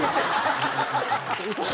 ハハハハ！